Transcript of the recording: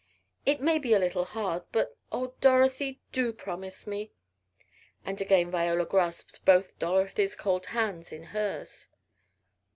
It may be a little hard but, oh, Dorothy! do promise me!" and again Viola grasped both Dorothy's cold hands in hers.